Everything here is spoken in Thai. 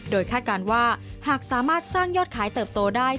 โดยคาดการณ์ว่าหากสามารถสร้างยอดขายเติบโตได้